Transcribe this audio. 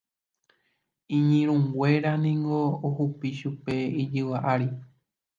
Iñirũnguéra niko ohupi chupe ijyva ári.